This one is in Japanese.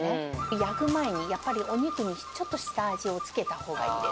焼く前に、やっぱりお肉にちょっと下味をつけたほうがいいです。